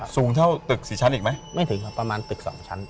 สูงเท่าตึก๔ชั้นอีกไหมไม่ถึงครับประมาณตึกสองชั้น